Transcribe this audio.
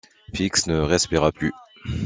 Fix ne respira plus.